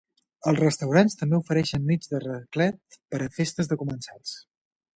Els restaurants també ofereixen nits de raclet per a festes de comensals.